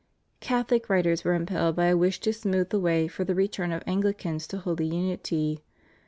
Catholic writers were impelled by a wish to smooth the way for the return of Anglicans to holy unity.